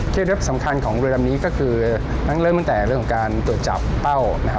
เล็บสำคัญของเรือลำนี้ก็คือเริ่มตั้งแต่เรื่องของการตรวจจับเป้านะครับ